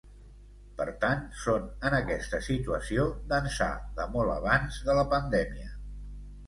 Per tant, són en aquesta situació d’ençà de molt abans de la pandèmia.